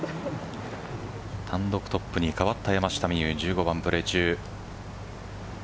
単独トップに変わった山下美夢有、１５番プレー中。